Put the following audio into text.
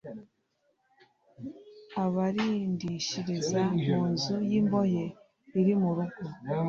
Abarindishiriza mu nzu y imbohe iri mu rugo